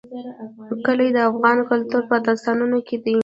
کلي د افغان کلتور په داستانونو کې دي.